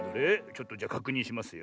ちょっとじゃかくにんしますよ。